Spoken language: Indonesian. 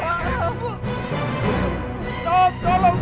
aku bantu aku bantu